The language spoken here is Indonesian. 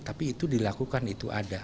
tapi itu dilakukan itu ada